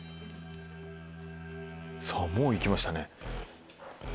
さぁもういきましたね。